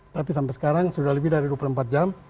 tapi sampai sekarang sudah lebih dari dua puluh empat jam